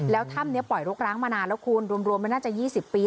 แล้วถ้ำนี้ปล่อยรกร้างมานานแล้วคุณรวมไม่น่าจะ๒๐ปี